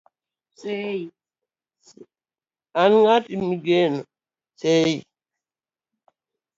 an ng'ati migeno sei